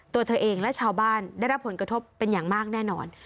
ตัวเธอเองและชาวบ้านได้รับผลกระทบเป็นอย่างมากแน่นอน